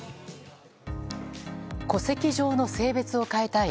戸籍上の性別を変えたい。